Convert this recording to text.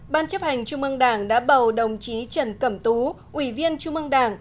ban chấp hành trung ương đảng đã bầu đồng chí trần cẩm tú ủy viên trung ương đảng